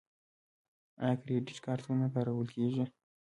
آیا کریډیټ کارتونه کارول کیږي؟